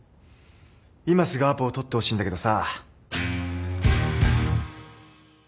今すぐアポを取ってほしいんだけどさ。